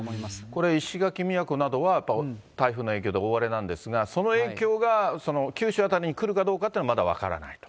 これ、石垣、宮古などは台風の影響で大荒れなんですが、その影響が九州辺りに来るかどうかというのはまだ分からないと。